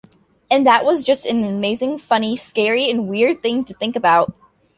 And that was just an amazing, funny, scary and weird thing to think about.